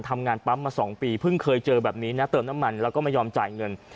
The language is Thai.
ทำงานปั๊มมา๒ปีเพิ่งเคยเจอแบบนี้นะเติมน้ำมันแล้วก็ไม่ยอมจ่ายเงิน